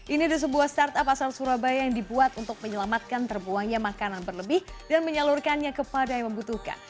ini ada sebuah startup asal surabaya yang dibuat untuk menyelamatkan terbuangnya makanan berlebih dan menyalurkannya kepada yang membutuhkan